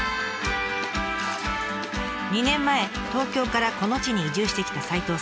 ２年前東京からこの地に移住してきた齋藤さん。